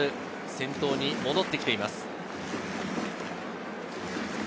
先頭に戻ってきています。